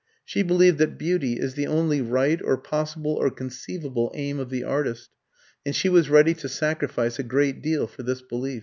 She believed that beauty is the only right or possible or conceivable aim of the artist, and she was ready to sacrifice a great deal for this belief.